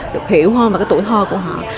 được hiểu hơn về cái tuổi thơ của họ